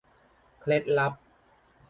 เคล็ดลับ